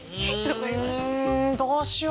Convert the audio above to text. うんどうしようかな。